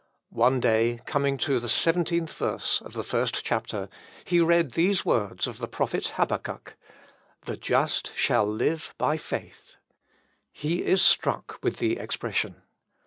One day, coming to the seventeenth verse of the first chapter, he read these words of the prophet Habakkuk, "The just shall live by faith." He is struck with the expression.